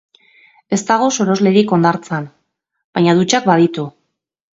Ez dago soroslerik hondartzan, baina dutxak baditu.